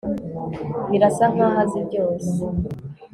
Birasa nkaho azi byose